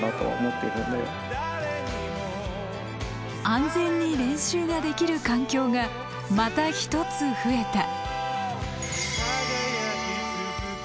安全に練習ができる環境がまた一つ増えた。